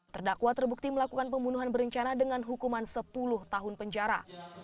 terdakwa terbukti melakukan pembunuhan berencana dengan hukuman sepuluh tahun penjara